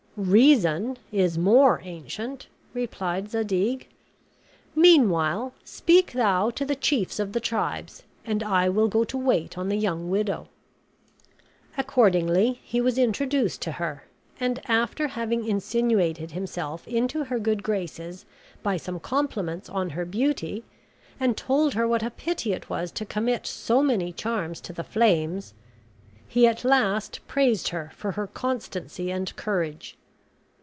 "Reason is more ancient," replied Zadig; "meanwhile, speak thou to the chiefs of the tribes and I will go to wait on the young widow." Accordingly he was introduced to her; and, after having insinuated himself into her good graces by some compliments on her beauty and told her what a pity it was to commit so many charms to the flames, he at last praised her for her constancy and courage.